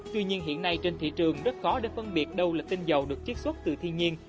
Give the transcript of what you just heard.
tuy nhiên hiện nay trên thị trường rất khó để phân biệt đâu là tinh dầu được chiếc xuất từ thiên nhiên